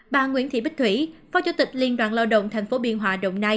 bà nguyễn thị bích thủy phó chủ tịch liên đoàn lao động tp biên hòa đồng nai